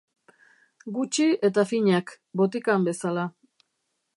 Gutxi eta finak, botikan bezala.